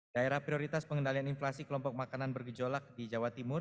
daerah prioritas pengendalian inflasi kelompok makanan bergejolak di jawa timur